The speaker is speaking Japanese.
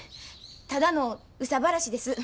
ただの憂さ晴らしです。